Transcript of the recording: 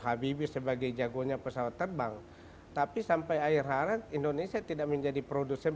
habibie sebagai jagonya pesawat terbang tapi sampai akhir haram indonesia tidak menjadi produsen